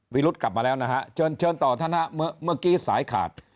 วิรุธกลับมาแล้วนะฮะเชิญเชิญต่อธนะเมื่อกี้สายขาด